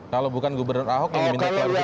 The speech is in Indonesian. kalau bukan gubernur ahok yang diminta klarifikasi